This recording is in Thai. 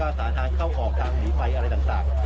สารทางเข้าออกทางหนีไฟอะไรต่าง